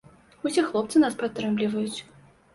Усе хлопцы нас падтрымліваюць.